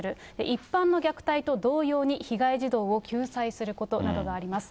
一般の虐待と同様に被害児童を救済することなどがあります。